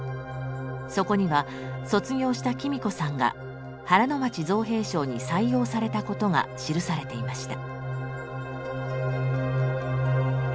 そこには卒業した喜美子さんが原町造兵廠に採用されたことが記されていました。